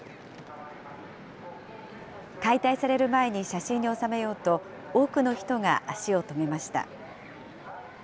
解体される前に写真に収めようと、多くの人が足を止めました。